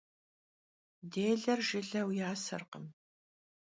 Dêler jjıleu yaserkhım.